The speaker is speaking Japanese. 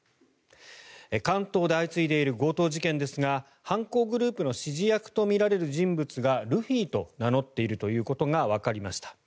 関東で相次いでいる強盗事件ですが犯行グループの指示役とみられる人物がルフィと名乗っていることがわかりました。